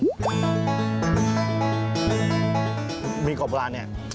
บีกอบโบราณนี่